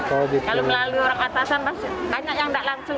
kalau melalui orang atasan pasti banyak yang tidak langsung